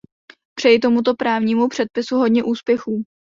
Přeji tomuto právnímu předpisu hodně úspěchů.